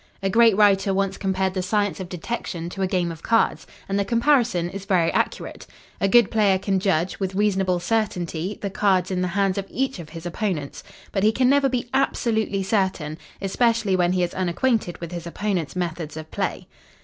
A great writer once compared the science of detection to a game of cards, and the comparison is very accurate. A good player can judge, with reasonable certainty, the cards in the hands of each of his opponents. But he can never be absolutely certain especially when he is unacquainted with his opponents' methods of play.